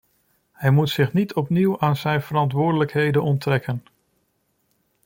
Hij moet zich niet opnieuw aan zijn verantwoordelijkheden onttrekken.